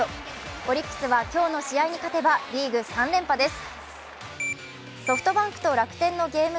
オリックスは今日の試合に勝てばリーグ３連覇です。